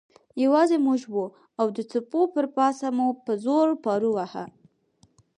یوازې موږ وو او د څپو پر پاسه مو په زور پارو واهه.